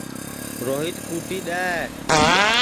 روہیت کُٹی دؔے